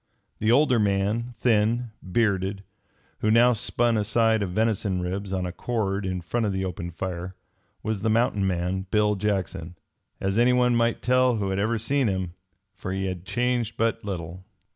The older man, thin, bearded, who now spun a side of venison ribs on a cord in front of the open fire, was the mountain man, Bill Jackson, as anyone might tell who ever had seen him, for he had changed but little.